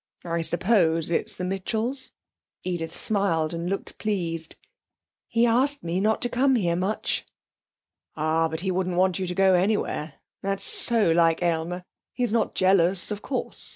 I suppose it's the Mitchells.' Edith smiled and looked pleased. 'He asked me not to come here much.' 'Ah! But he wouldn't want you to go anywhere. That is so like Aylmer. He's not jealous; of course.